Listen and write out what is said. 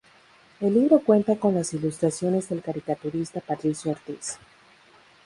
El libro cuenta con las ilustraciones del caricaturista Patricio Ortiz.